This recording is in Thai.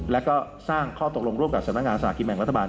แล้วก็สร้างข้อตกลงร่วมกับสำนักงานสลากกินแบ่งรัฐบาล